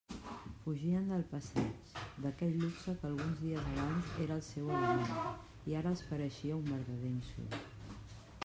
Fugien del passeig, d'aquell luxe que alguns dies abans era el seu element i ara els pareixia un verdader insult.